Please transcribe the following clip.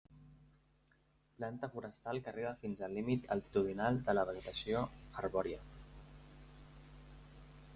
Planta forestal que arriba fins al límit altitudinal de la vegetació arbòria.